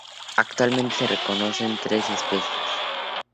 Actualmente se reconocen tres especies.